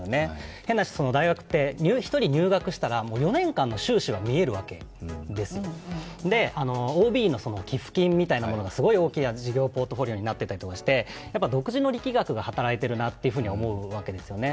変な話、大学って１人入学したらもう４年間の収支が見えるわけですＯＢの寄付金みたいなものがすごい大きな事業ポートフォリオになっていて独自の力学が働いているなと思うわけですよね。